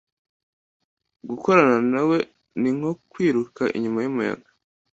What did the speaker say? gukorana na we ni nko kwiruka inyuma y’umuyaga